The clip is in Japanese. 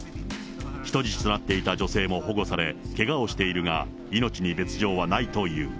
人質となっていた女性も保護され、けがをしているが、命に別状はな